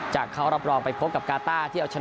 จะเคารอบรองไปพบกับกาต้า